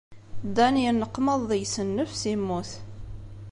Dan yenneqmaḍ deg-s nnefs, yemmut.